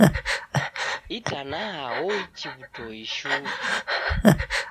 Itanaha oichi w'utoi shuu